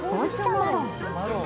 マロン。